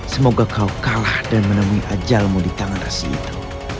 semoga kau kalah dan menemui ajalmu di tangan rasi itu